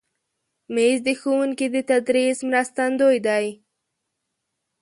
مېز د ښوونکي د تدریس مرستندوی دی.